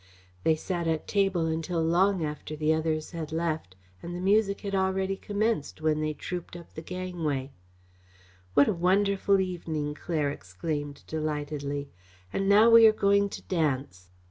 They sat at table until long after the others had left, and the music had already commenced when they trooped up the gangway. "What a wonderful evening!" Claire exclaimed delightedly. "And now we are going to dance!"